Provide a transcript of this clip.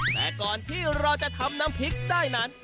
แต่ก่อนที่เราจะทำน้ำพริกได้นั้น